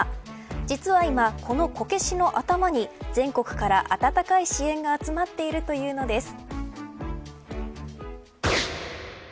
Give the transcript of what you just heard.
実は今このこけしの頭に全国から温かい支援が集まっているというのです。